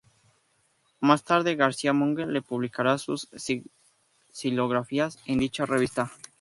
Más tarde, García Monge le publicará sus xilografías en dicha revista.